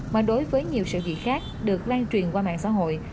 mà đối với nhiều sự việc khác được lan truyền qua mạng xã hội